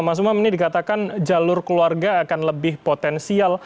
mas umam ini dikatakan jalur keluarga akan lebih potensial